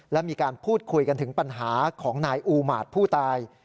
และมีการพูดคุยกันถึงปัญหาของนายอูหมาตรผู้ตาย